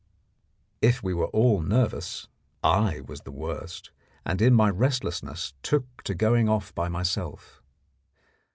If we were all nervous, I was the worst, and in my restlessness took to going off by myself.